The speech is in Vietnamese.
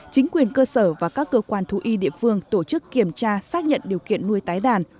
chính quyền cơ sở và các cơ quan thú y địa phương tổ chức kiểm tra xác nhận điều kiện nuôi tái đàn